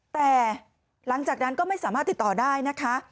แต่หลังจากนั้นก็ไม่สามารถติดต่อได้นะคะ